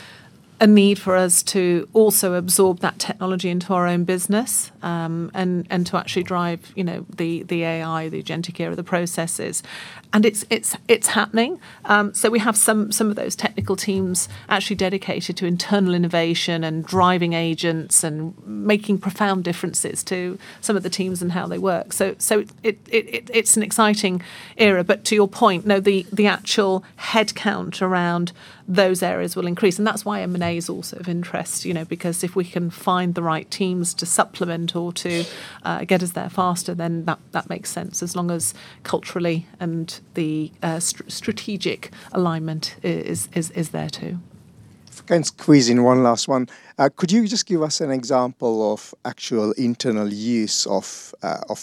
a need for us to also absorb that technology into our own business, to actually drive, you know, the AI, the agentic era, the processes. It's happening. We have some of those technical teams actually dedicated to internal innovation and driving agents and making profound differences to some of the teams and how they work. It's an exciting era. To your point, no, the actual headcount around those areas will increase, and that's why M&A is also of interest, you know. If we can find the right teams to supplement or to get us there faster, then that makes sense, as long as culturally and the strategic alignment is there, too. If I can squeeze in one last one. Could you just give us an example of actual internal use of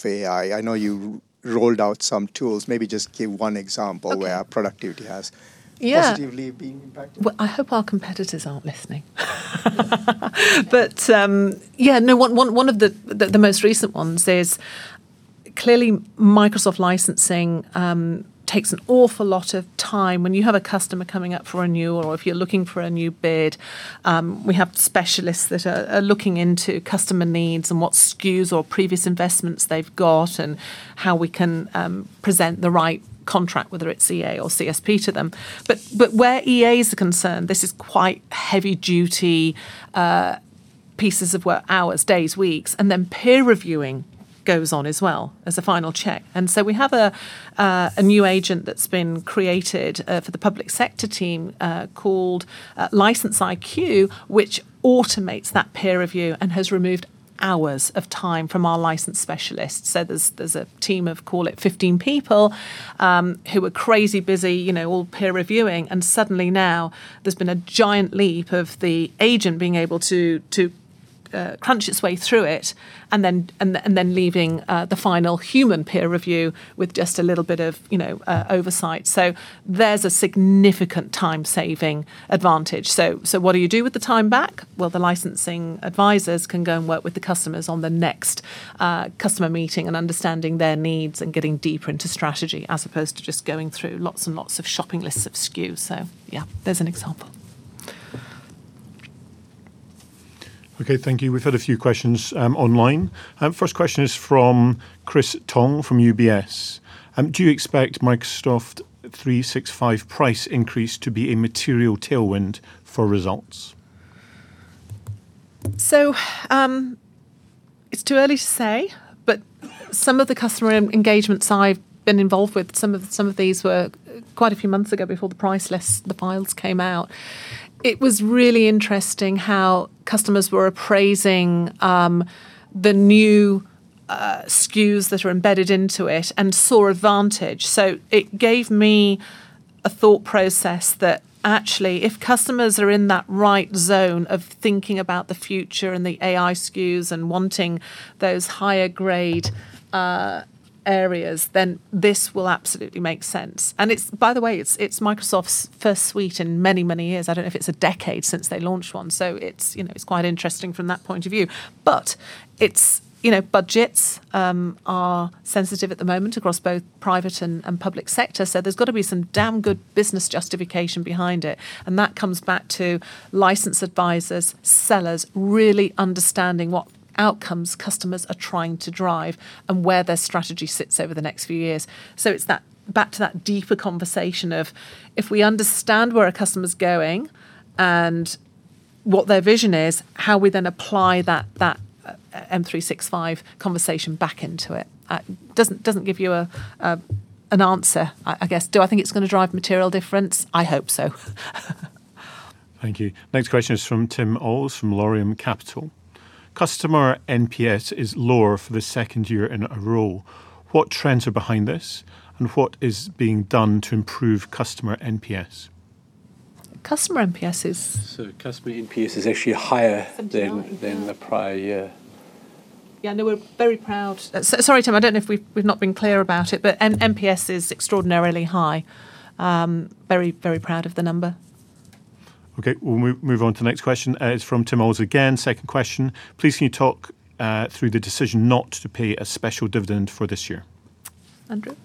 AI? I know you rolled out some tools. Maybe just give one example where productivity has positively been impacted. Well, I hope our competitors aren't listening. One of the most recent ones is clearly Microsoft licensing, takes an awful lot of time when you have a customer coming up for a renewal or if you're looking for a new bid. We have specialists that are looking into customer needs and what SKUs or previous investments they've got and how we can present the right contract, whether it's EA or CSP, to them. Where EAs are concerned, this is quite heavy duty pieces of work, hours, days, weeks, and then peer reviewing goes on as well as a final check. We have a new agent that's been created for the public sector team called License IQ, which automates that peer review and has removed hours of time from our license specialists. There's a team of call it 15 people who are crazy busy, you know, all peer reviewing, and suddenly now there's been a giant leap of the agent being able to crunch its way through it and then leaving the final human peer review with just a little bit of, you know, oversight. There's a significant time-saving advantage. What do you do with the time back? The licensing advisors can go and work with the customers on the next customer meeting and understanding their needs and getting deeper into strategy, as opposed to just going through lots and lots of shopping lists of SKUs. Yeah, there's an example. Okay. Thank you. We've had a few questions online. First question is from Christopher Tong from UBS. Do you expect Microsoft 365 price increase to be a material tailwind for results? It's too early to say, but some of the customer engagements I've been involved with, some of these were quite a few months ago before the price list, the files came out. It was really interesting how customers were appraising the new SKUs that are embedded into it and saw advantage. It gave me a thought process that actually if customers are in that right zone of thinking about the future and the AI SKUs and wanting those higher grade areas, then this will absolutely make sense. It's, by the way, it's Microsoft's first suite in many years. I don't know if it's 10 years since they launched one, it's, you know, it's quite interesting from that point of view. It's, you know, budgets are sensitive at the moment across both private and public sector, there's gotta be some damn good business justification behind it, and that comes back to license advisors, sellers really understanding what outcomes customers are trying to drive and where their strategy sits over the next few years. It's that, back to that deeper conversation of if we understand where a customer's going and what their vision is, how we then apply that M365 conversation back into it. Doesn't give you an answer, I guess. Do I think it's gonna drive material difference? I hope so. Thank you. Next question is from Tim Allis from Laurium Capital. Customer NPS is lower for the second year in a row. What trends are behind this, and what is being done to improve customer NPS? Customer NPS is. Customer NPS is actually higher than the prior year. Yeah, no, we're very proud. sorry, Tim, I don't know if we've not been clear about it, but NPS is extraordinarily high. very proud of the number. Okay. We'll move on to the next question. It's from Tim Allis again. Second question. Please can you talk through the decision not to pay a special dividend for this year? Andrew?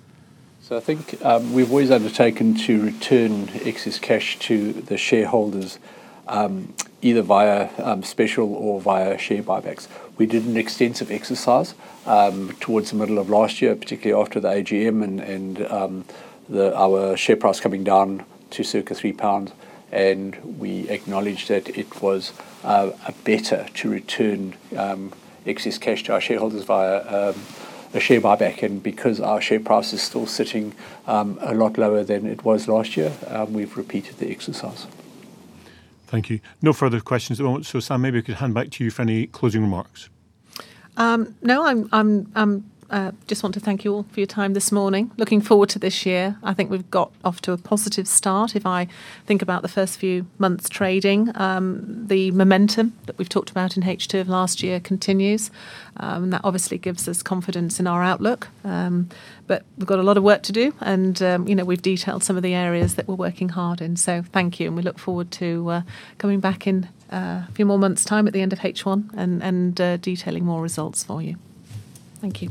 I think, we've always undertaken to return excess cash to the shareholders, either via, special or via share buybacks. We did an extensive exercise, towards the middle of last year, particularly after the AGM and, our share price coming down to circa 3 pounds. We acknowledged that it was better to return excess cash to our shareholders via a share buyback. Because our share price is still sitting, a lot lower than it was last year, we've repeated the exercise. Thank you. No further questions at the moment. Sam, maybe I could hand back to you for any closing remarks. No. I just want to thank you all for your time this morning. Looking forward to this year. I think we've got off to a positive start. If I think about the first few months trading, the momentum that we've talked about in H2 of last year continues, that obviously gives us confidence in our outlook. We've got a lot of work to do and, you know, we've detailed some of the areas that we're working hard in. Thank you, and we look forward to coming back in a few more months' time at the end of H1 and detailing more results for you. Thank you.